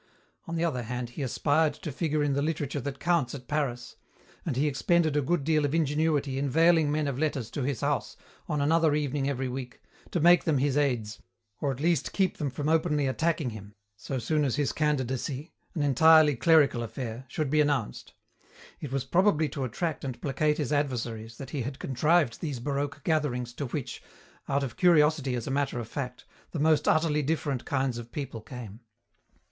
On the other hand, he aspired to figure in the literature that counts at Paris, and he expended a good deal of ingenuity inveigling men of letters to his house on another evening every week, to make them his aides, or at least keep them from openly attacking him, so soon as his candidacy an entirely clerical affair should be announced. It was probably to attract and placate his adversaries that he had contrived these baroque gatherings to which, out of curiosity as a matter of fact, the most utterly different kinds of people came.